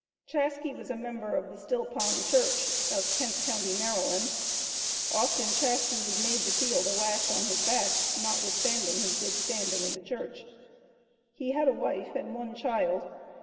Chaskey was a member of the "Still Pond church," of Kent county, Md. Often Chaskey was made to feel the lash on his back, notwithstanding his good standing in the church. He had a wife and one child.